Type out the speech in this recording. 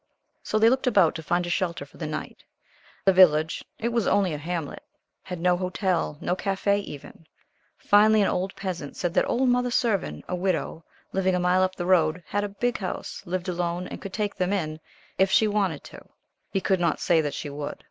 So they looked about to find a shelter for the night. The village it was only a hamlet had no hotel, no café, even. Finally an old peasant said that old Mother Servin a widow living a mile up the road had a big house, lived alone, and could take them in, if she wanted to, he could not say that she would.